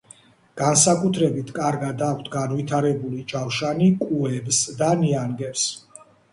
განსაკუთრებით კარგად აქვთ განვითარებული ჯავშანი კუებს და ნიანგებს.